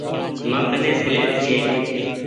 مآڪني سيليٽ ڇي۔